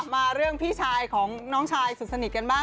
มาเรื่องพี่ชายของน้องชายสุดสนิทกันบ้าง